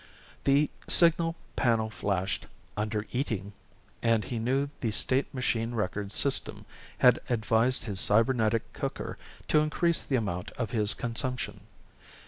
The signal panel flashed "Under Eating" and he knew the state machine records system had advised his cybernetic cooker to increase the amount of his consumption.